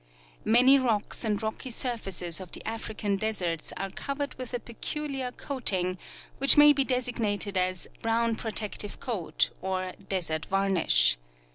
Many rocks and rocky surfaces of the African deserts are cov ered with a peculiar coating, which may be designated as "brown protective coat " or " desert varnish."